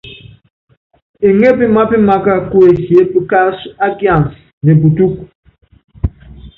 Eŋépí mápímaká kuesiép káásɔ́ á kians ne putúk.